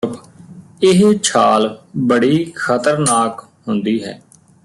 ਇਹ ਛਾਲ ਬੜੀ ਖ਼ਤਰਨਾਕ ਹੁੰਦੀ ਸੀ